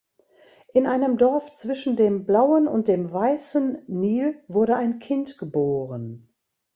In einem Dorf zwischen dem Blauen und dem Weißen Nil wurde ein Kind geboren.